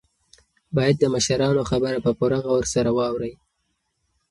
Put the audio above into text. باید د مشرانو خبره په پوره غور سره واورئ.